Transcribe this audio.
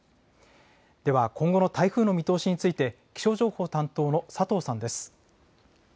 では今後の台風の見通しについて、気象情報担当の佐藤さんです。